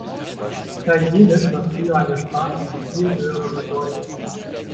Italienisch war früher eine Sprache von viel höherer Bedeutung.